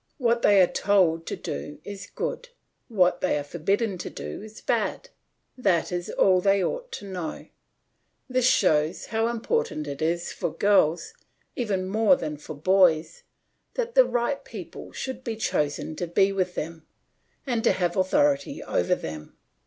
What they are told to do is good; what they are forbidden to do is bad; that is all they ought to know: this shows how important it is for girls, even more than for boys, that the right people should be chosen to be with them and to have authority over them.